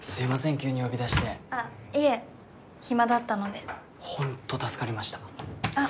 急に呼び出してあっいえ暇だったのでほんと助かりましたあっ